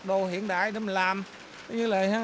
đồ hiện đại để mình làm